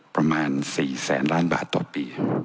ประมาณ๔แสนล้านบาทต่อปี